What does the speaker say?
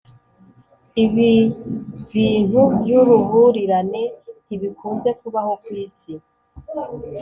Ibi bintu by’uruhurirane ntibikunze kubaho ku isi